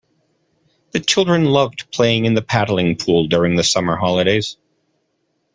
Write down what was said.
The children loved playing in the paddling pool during the summer holidays